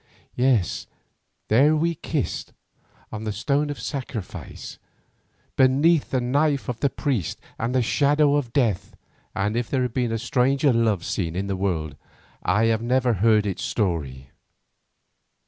Yes, there we kissed, on the stone of sacrifice, beneath the knife of the priest and the shadow of death, and if there has been a stranger love scene in the world, I have never heard its story.